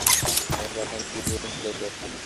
এমন পাষাণ জীবও জগতে অনেক আছে।